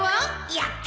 やった！